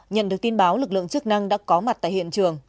nhận được tin báo lực lượng chức năng đã có mặt tại hiện trường